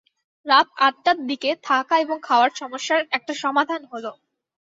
রাত আটটার দিকে থাকা এবং খাওয়ার সমস্যার একটা সমাধান হল!